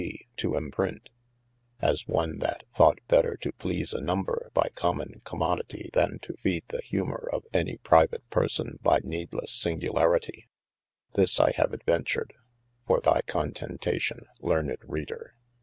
B. to emprint: as one that thought better to please a number by common commoditie then to feede the humor of any private parson by nedelesse singularitie. This I have adventured, for thy contentation (learned JReader.)